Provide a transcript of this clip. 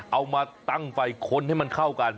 เอามาตั้งไฟค้นให้มันเข้ากัน